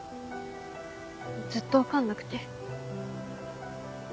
ずっと分かんなくて。